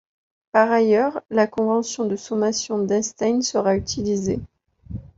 Par ailleurs, la convention de sommation d'Einstein sera utilisée.